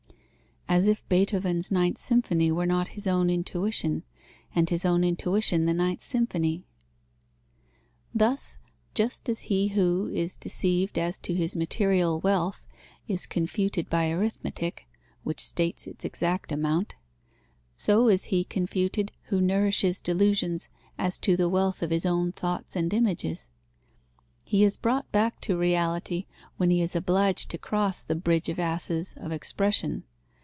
As if Beethoven's Ninth Symphony were not his own intuition and his own intuition the Ninth Symphony. Thus, just as he who is deceived as to his material wealth is confuted by arithmetic, which states its exact amount, so is he confuted who nourishes delusions as to the wealth of his own thoughts and images. He is brought back to reality, when he is obliged to cross the Bridge of Asses of expression.